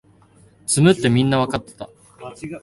詰むってみんなわかってた